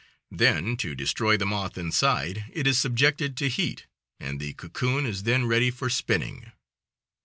Then, to destroy the moth inside, it is subjected to heat, and the cocoon is then ready for spinning.